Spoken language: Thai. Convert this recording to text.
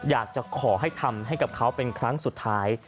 อยากจะขอให้ทำให้กับเขาเป็นครั้งสุดท้าย